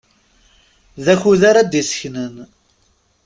D akud ara d-iseknen.